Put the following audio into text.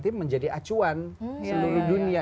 tim menjadi acuan seluruh dunia